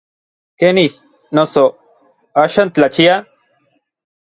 ¿Kenij, noso, n axan tlachia?